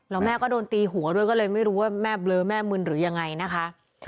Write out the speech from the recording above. แล้วแม่ก็โดนตีหัวด้วยก็เลยไม่รู้ว่าแม่เบลอแม่มึนหรือยังไงนะคะ